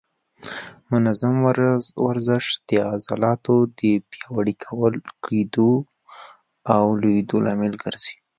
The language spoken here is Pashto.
منظم ورزش د عضلاتو د پیاوړي کېدو او لویېدو لامل ګرځي.